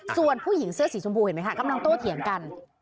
ส่วนผู้หญิงเสื้อสีชมพูเห็นไหมคะกำลังโต้เถียงกัน